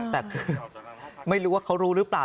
แต่คือไม่รู้ว่าเขารู้หรือเปล่า